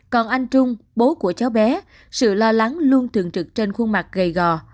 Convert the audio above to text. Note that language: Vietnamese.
còn anh trung bố của cháu bé sự lo lắng luôn thường trực trên khuôn mặt gây gò